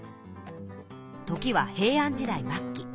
時は平安時代末期。